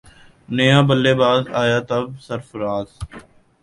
نیا بلے باز آیا تب سرفراز